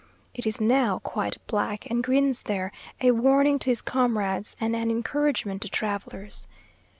It is now quite black, and grins there, a warning to his comrades and an encouragement to travellers.